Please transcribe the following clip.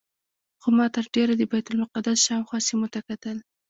خو ما تر ډېره د بیت المقدس شاوخوا سیمو ته کتل.